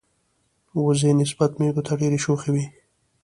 وزې نسبت مېږو ته ډیری شوخی وی.